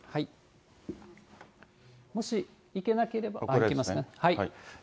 もし、いけなければ、いけますね。